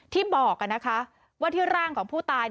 ที่บอกว่าที่ร่างของผู้ตาย